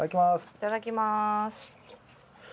いただきます。